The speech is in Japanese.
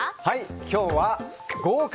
今日は、豪快！